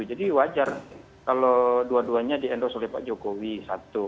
jadi wajar kalau dua duanya di endorse oleh pak jokowi satu